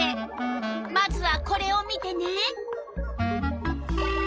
まずはこれを見てね。